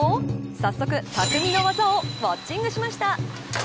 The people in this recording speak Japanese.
早速、匠の技をウオッチングしました。